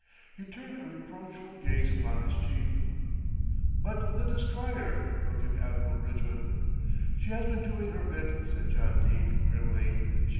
He turned a reproachful gaze upon his chief. "But the Destroyer?" broke in Admiral Bridgman. "She has been doing her bit," said John Dene grimly.